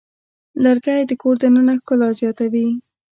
لرګی د کور دننه ښکلا زیاتوي.